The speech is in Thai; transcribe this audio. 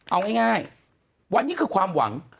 เอาง่ายวันนี้คือความหวัง